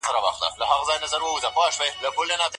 ايا منځګړي نور صلاحيتونه لري؟